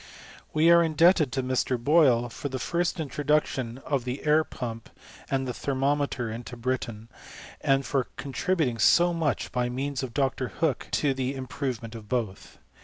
^,/^ We are indebted to Mr. Boyle for the first introh* . duction of the air pump and the thermometer iiif(» Britain, and for contributing so much, by means qj[ Dr. Hooke, to the improvement of both.